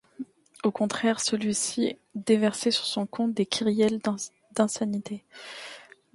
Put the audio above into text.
Au contraire, celui-ci déversait sur son compte des kyrielles d’insanités.